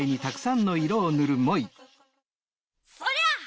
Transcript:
そりゃ！